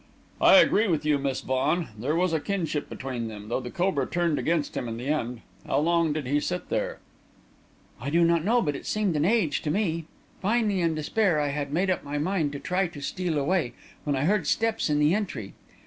"I agree with you, Miss Vaughan. There was a kinship between them though the cobra turned against him in the end. How long did he sit there?" "I do not know but it seemed an age to me. Finally, in despair, I had made up my mind to try to steal away, when I heard steps in the entry.